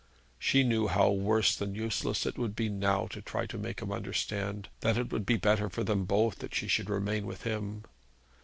She knew how worse than useless it would be now to try and make him understand that it would be better for them both that she should remain with him.